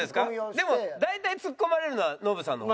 でも大体ツッコまれるのはノブさんの方ですよね？